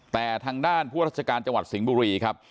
แต่ทางด้านผู้ราชการจังหวัดสิงห์บุรีครับ